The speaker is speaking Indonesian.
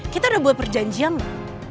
kita udah buat perjanjian gak